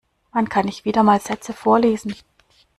Wann kann ich wieder mal Sätze vorlesen.